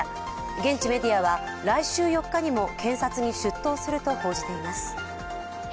現地メディアは、来週４日にも警察に出頭すると報じています。